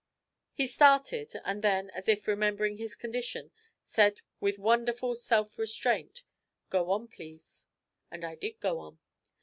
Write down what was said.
He started, and then, as if remembering his condition, said with wonderful self restraint, 'Go on, please.' And I did go on.